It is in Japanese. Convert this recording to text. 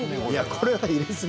これは入れすぎ。